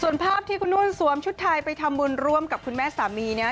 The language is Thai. ส่วนภาพที่คุณนุ่นสวมชุดไทยไปทำบุญร่วมกับคุณแม่สามีเนี่ย